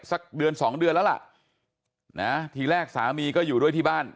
สักเดือนสองเดือนแล้วล่ะนะทีแรกสามีก็อยู่ด้วยที่บ้าน